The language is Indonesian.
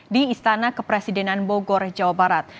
di istana kepresidenan bogor jawa barat